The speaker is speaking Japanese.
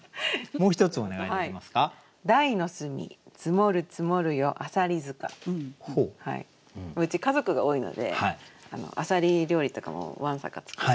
うち家族が多いのであさり料理とかもわんさか作って。